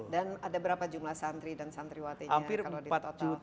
dan ada berapa jumlah santri dan santriwatinya kalau di total